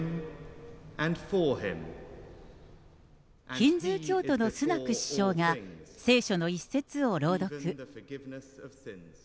ヒンズー教徒のスナク首相が聖書の一節を朗読。